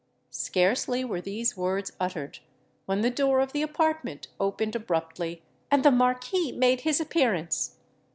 Scarcely were these words uttered, when the door of the apartment opened abruptly; and the Marquis made his appearance.